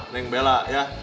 neng bella ya